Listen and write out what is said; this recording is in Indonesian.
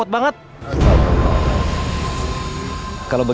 jangan lupa subz